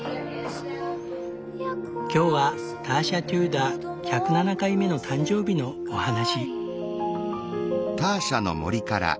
今日はターシャ・テューダー１０７回目の誕生日のお話。